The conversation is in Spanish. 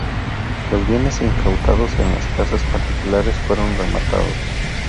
Los bienes incautados en las casas particulares fueron rematados.